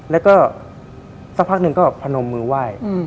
แล้วก็สักพักหนึ่งก็พนมมือไหว้